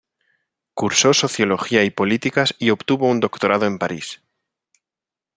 Cursó Sociología y Políticas y obtuvo un doctorado en París.